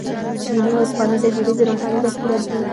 دیني او عرفاني تجربې د روحاني بصیرت دي.